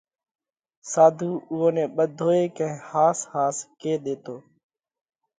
ساڌُو اُوئون نئہ ٻڌوئي ڪئين ۿاس ۿاس ڪي ۮيتو۔